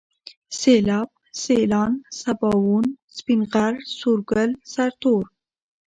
سيلاب ، سيلان ، سباوون ، سپين غر ، سورگل ، سرتور